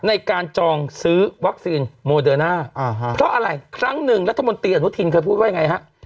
ในการจองซื้อวัคซีนโมเดอร์น่าเพราะอะไรครั้งหนึ่งรัฐมนตรีอนุทินเคยพูดว่าไงฮะ